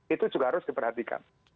itu juga harus diperhatikan